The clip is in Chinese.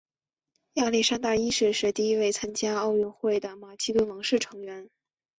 亚历山大一世是第一位参加奥运会的马其顿王室成员。